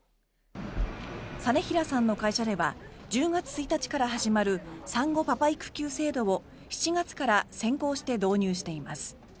実平さんの会社では１０月１日から始まる産後パパ育休制度を７月から先行して導入しています。